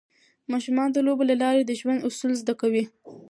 ماشومان د لوبو له لارې د ژوند اصول زده کوي.